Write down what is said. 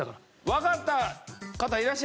わかった方いらっしゃいますか？